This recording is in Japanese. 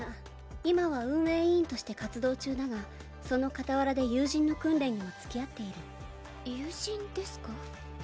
今は運営委員として活動中だがその傍らで友人の訓練にも付き合っている友人ですか？